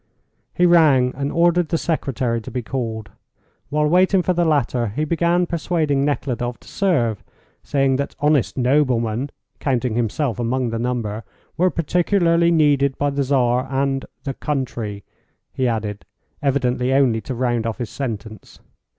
He rang, and ordered the secretary to be called. While waiting for the latter, he began persuading Nekhludoff to serve, saying that "honest noblemen," counting himself among the number, "were particularly needed by the Tsar and the country," he added, evidently only to round off his sentence.